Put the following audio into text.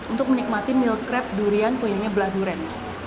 untuk menikmati meal crepe durian kuenya belah durian